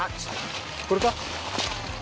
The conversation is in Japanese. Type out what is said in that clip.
これか？